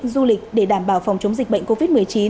du lịch để đảm bảo phòng chống dịch bệnh covid một mươi chín